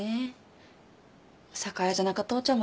酒屋じゃなか父ちゃん